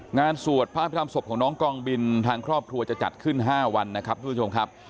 สวดพระพิธรรมศพของน้องกองบินทางครอบครัวจะจัดขึ้น๕วันนะครับทุกผู้ชมครับ